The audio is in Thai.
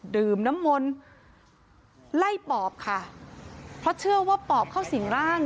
ดื่มน้ำมนต์ไล่ปอบค่ะเพราะเชื่อว่าปอบเข้าสิ่งร่าง